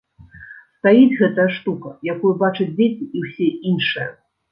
Стаіць гэтая штука, якую бачаць дзеці і ўсе іншыя.